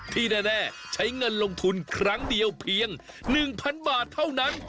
ที่แน่ใช้เงินลงทุนครั้งเดียวเพียง๑๐๐๐บาทเท่านั้น